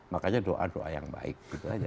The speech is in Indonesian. makanya doa doa yang baik